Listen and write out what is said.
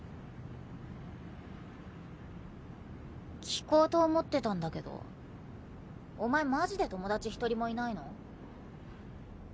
聞こうと思ってたんだけどお前マジで友達一人もいないの？